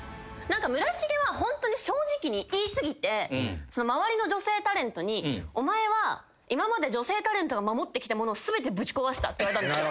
村重はホントに正直に言い過ぎて周りの女性タレントに「お前は今まで女性タレントが守ってきたものを全てぶち壊した」って言われたんですよ。